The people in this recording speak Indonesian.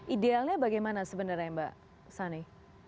idealnya bagaimana sebenarnya mbak sani